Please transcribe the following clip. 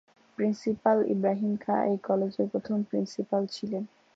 Principal Ibrahim Khan এই কলেজের প্রথম প্রিন্সিপাল ছিলেন।